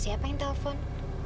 siapa yang telepon